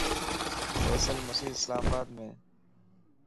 فيصل مسيڌ اسلام آبادمَ